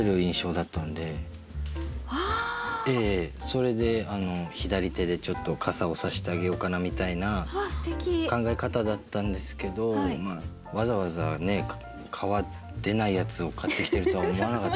それで左手でちょっと傘を差してあげようかなみたいな考え方だったんですけどわざわざ皮出ないやつを買ってきてるとは思わなかったんで。